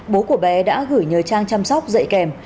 bố của bé đã gửi nhờ trang chăm sóc dạy kèm